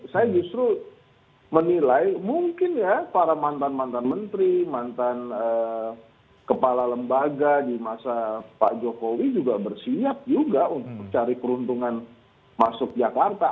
saya justru menilai mungkin ya para mantan mantan menteri mantan kepala lembaga di masa pak jokowi juga bersiap juga untuk cari peruntungan masuk jakarta